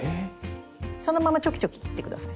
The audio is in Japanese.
そのままチョキチョキ切って下さい。